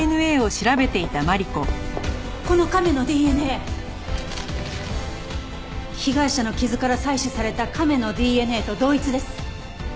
この亀のＤＮＡ被害者の傷から採取された亀のＤＮＡと同一です。